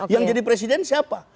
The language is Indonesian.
yang jadi presiden siapa